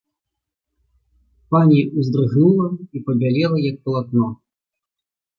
Пані ўздрыгнула і пабялела як палатно.